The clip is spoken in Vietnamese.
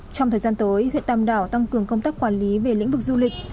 trong thời gian tới huyện tàm đảo tăng cường công tác quản lý về lĩnh vực du lịch